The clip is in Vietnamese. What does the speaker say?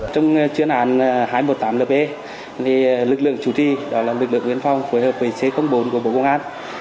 trong truyền án hai trăm một mươi tám lb lực lượng chủ trì đó là lực lượng biên phòng phối hợp với c bốn của bộ công an